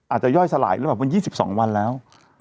อาจจะย่อยสลายหรือเปล่าว่า๒๒วันแล้ว